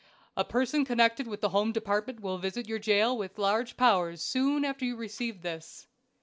A person connected with the Home Department will visit your jail with large powers soon after you receive this.